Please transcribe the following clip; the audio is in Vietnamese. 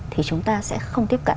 thì chúng ta sẽ không tiếp cận